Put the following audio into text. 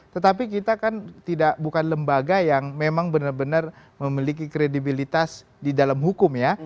tetapi kita kan bukan lembaga yang memang benar benar memiliki kredibilitas di dalam hukum ya